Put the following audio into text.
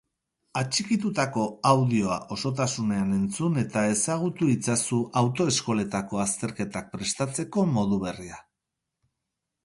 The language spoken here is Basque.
Atxikitutako audioa osotasunean entzun eta ezagutu itzazu autoeskoletako azterketak prestatzeko modu berria.